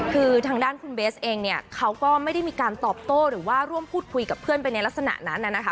คือทางด้านคุณเบสเองเนี่ยเขาก็ไม่ได้มีการตอบโต้หรือว่าร่วมพูดคุยกับเพื่อนไปในลักษณะนั้นนะคะ